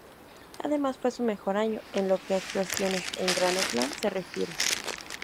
Además fue su mejor año en lo que actuaciones en Grand Slam se refiere.